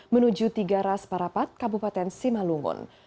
menuju tiga ras parapat kabupaten simalungun